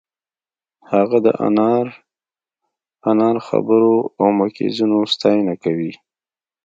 هغه د انار انار خبرو او مکیزونو ستاینه کوي